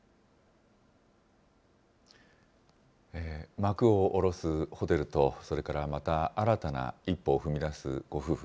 幕を下ろすホテルと、それからまた新たな一歩を踏み出すご夫婦。